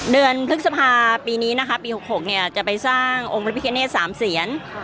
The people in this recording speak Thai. เดือนพฤษภาปีนี้นะคะปี๖๖จะไปสร้างองค์พระพิคเนต๓เสียน